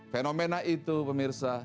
fenomena itu pemirsa